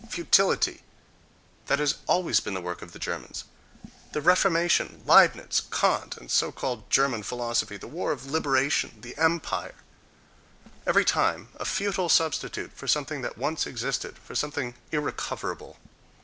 Futility—that has always been the work of the Germans.—The Reformation; Leibnitz; Kant and so called German philosophy; the war of "liberation"; the empire—every time a futile substitute for something that once existed, for something irrecoverable....